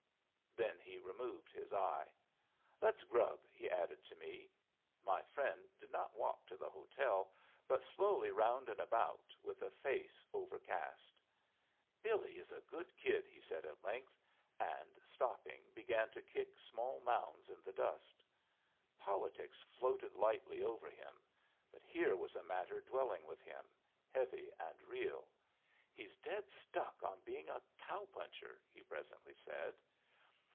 Then he removed his eye. "Let's grub," he added to me. My friend did not walk to the hotel, but slowly round and about, with a face overcast. "Billy is a good kid," he said at length, and, stopping, began to kick small mounds in the dust. Politics floated lightly over him, but here was a matter dwelling with him, heavy and real. "He's dead stuck on being a cow puncher," he presently said.